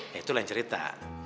ya itu lain cerita